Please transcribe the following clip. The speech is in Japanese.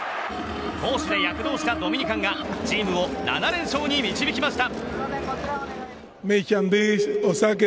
攻守で躍動したドミニカンがチームを７連勝に導きました。